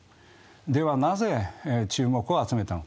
ではなぜ注目を集めたのか。